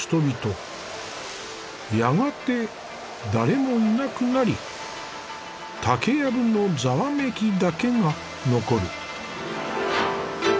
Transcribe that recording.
やがて誰もいなくなり竹やぶのざわめきだけが残る。